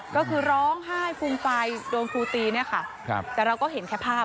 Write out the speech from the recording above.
ก็คือร้องไห้ฟูงปลายโดนครูตีนะคะแต่เราก็เห็นแค่ภาพ